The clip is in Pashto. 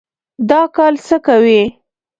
دا کال څه کوئ؟